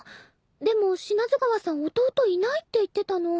でも不死川さん弟いないって言ってたの。